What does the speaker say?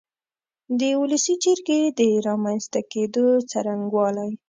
د ولسي جرګې د رامنځ ته کېدو څرنګوالی